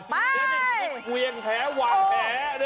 นี่มีกุ้งเวียงแผลหว่างแผล